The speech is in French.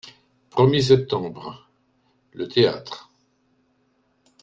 premier septembre., Le Théâtre.